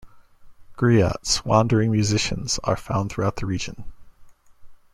Griots, wandering musicians, are found throughout the region.